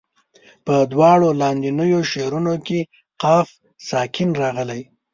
په دواړو لاندنیو شعرونو کې قاف ساکن راغلی.